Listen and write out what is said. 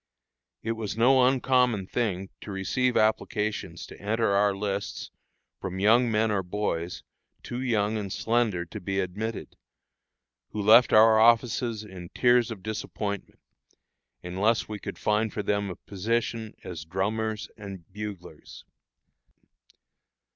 It was no uncommon thing to receive applications to enter our lists from young men or boys too young and slender to be admitted, who left our offices in tears of disappointment, unless we could find for them a position as drummers and buglers.